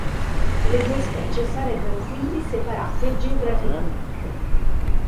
Le due specie sarebbero quindi separate geograficamente.